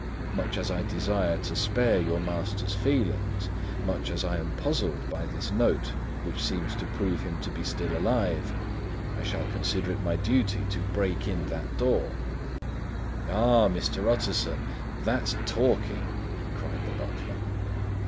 Much as I desire to spare your master's feelings, much as I am puzzled by this note which seems to prove him to be still alive, I shall consider it my duty to break in that door." "Ah, Mr. Utterson, that's talking!" cried the butler.